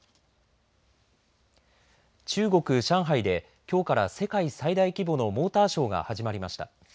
中国、上海できょうから世界最大規模のモーターショーが始まりました。